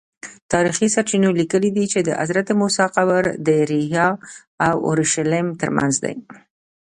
تاریخي سرچینو لیکلي چې د حضرت موسی قبر د ریحا او اورشلیم ترمنځ دی.